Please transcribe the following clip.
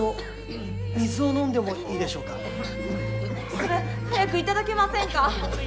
それ早く頂けませんか？